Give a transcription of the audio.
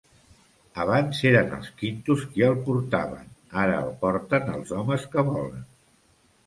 Abans eren els Quintos qui el portaven, ara el porten els homes que volen.